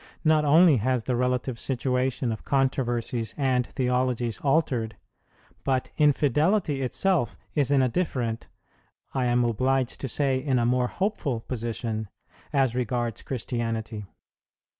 Not only has the relative situation of controversies and theologies altered, but infidelity itself is in a different, I am obliged to say in a more hopeful position, as regards Christianity.